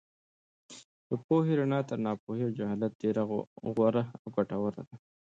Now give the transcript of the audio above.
د پوهې رڼا تر ناپوهۍ او جهالت ډېره غوره او ګټوره ده.